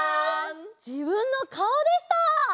じぶんのかおでした！